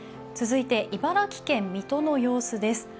続いて茨城県・水戸の様子です。